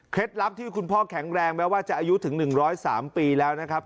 ลับที่คุณพ่อแข็งแรงแม้ว่าจะอายุถึง๑๐๓ปีแล้วนะครับ